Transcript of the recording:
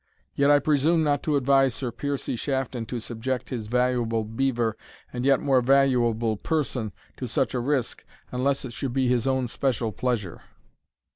Yet I presume not to advise Sir Piercie Shafton to subject his valuable beaver, and yet more valuable person, to such a risk, unless it should be his own special pleasure."